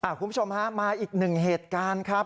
คุณผู้ชมฮะมาอีกหนึ่งเหตุการณ์ครับ